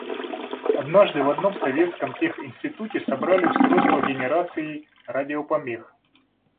Однажды в одном советском тех. институте собрали устройство генерации радиопомех.